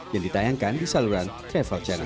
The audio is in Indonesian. yang ditayangkan di saluran travel channel